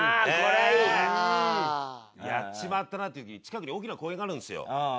やっちまったなっていう時近くに大きな公園があるんですよ。